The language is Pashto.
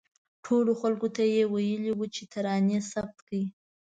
ټولو خلکو ته ویلي وو چې ترانې ثبت کړي.